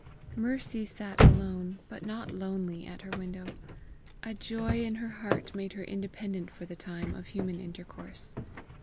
Mercy sat alone but not lonely at her window. A joy in her heart made her independent for the time of human intercourse.